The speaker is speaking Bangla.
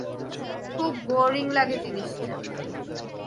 খুব বোরিং লাগে জিনিসটা।